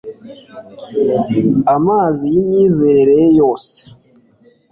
Amazi yimyizerere ye yose